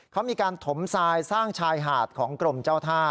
เขามีการถมทรายสร้างชายหาดของกรมเจ้าท่า